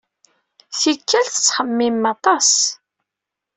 Tikkal, tettxemmimem aṭas.